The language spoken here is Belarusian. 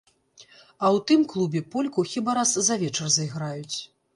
А ў тым клубе польку хіба раз за вечар зайграюць.